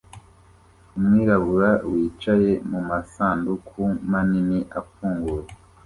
Umwirabura wicaye mumasanduku manini afunguye